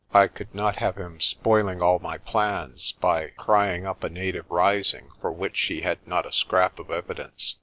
I could not have him spoiling all my plans by crying up a native rising for which he had not a scrap of evidence.